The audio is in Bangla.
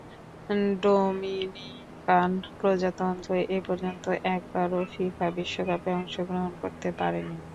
ডোমিনিকান প্রজাতন্ত্র এপর্যন্ত একবারও ফিফা বিশ্বকাপে অংশগ্রহণ করতে পারেনি।